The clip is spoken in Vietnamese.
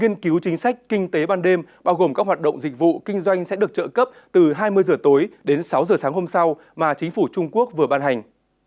nghiên cứu chính sách kinh tế ban đêm bao gồm các hoạt động dịch vụ kinh doanh sẽ được trợ cấp từ hai mươi h tối đến sáu h sáng hôm sau mà chính phủ trung quốc vừa ban hành